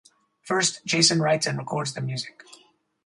First, Jason writes and records the music.